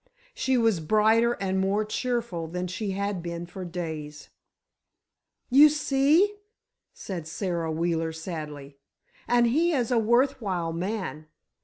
She was brighter and more cheerful than she had been for days. "You see," said Sara Wheeler, sadly. "And he is a worth while man.